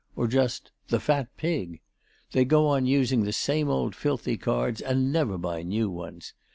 or just 'The fat pig!' They go on using the same old filthy cards and never buy new ones.